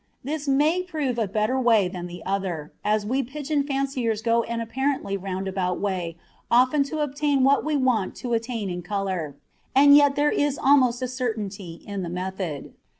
This may prove a better way than the other, as we pigeon fanciers go an apparently roundabout way often to obtain what we want to attain in colour, and yet there is almost a certainty in the method.